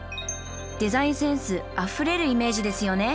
デザインセンスあふれるイメージですよね。